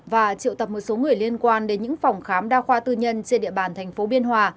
và triệu tập một số người liên quan đến những phòng khám đa khoa tư nhân trên địa bàn thành phố biên hòa